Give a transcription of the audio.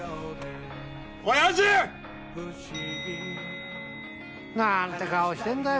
おやじ！なんて顔してんだよ